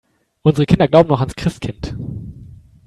Unsere Kinder glauben noch ans Christkind.